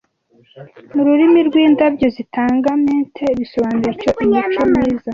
Mu rurimi rwindabyo zitanga mint bisobanura icyo Imico myiza